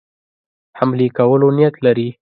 حملې کولو نیت لري.